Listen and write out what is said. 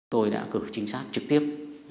tôi đã cực trinh sát trực tiếp